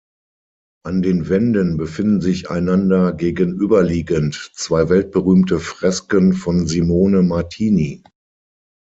An den Wänden befinden sich einander gegenüberliegend zwei weltberühmte Fresken von Simone Martini.